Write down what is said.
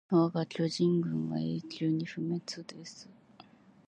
わが巨人軍は永久に不滅です